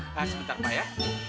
sebentar pak ya